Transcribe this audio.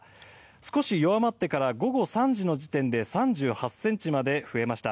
少し弱まってから午後３時の時点で３８ｃｍまで増えました。